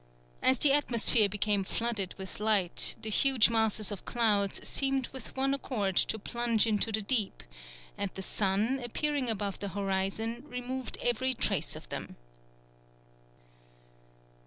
As the atmosphere became flooded with light the huge masses of clouds seemed with one accord to plunge into the deep, and the sun, appearing above the horizon, removed every trace of them."